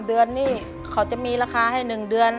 เดือนนี้เขาจะมีราคาให้๑เดือน